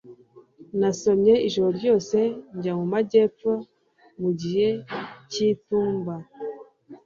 Nasomye ijoro ryose njya mu majyepfo mu gihe cyitumba